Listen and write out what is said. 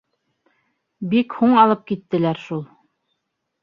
Бик һуң алып киттеләр шул.